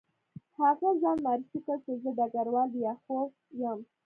هغه ځان معرفي کړ چې زه ډګروال لیاخوف یم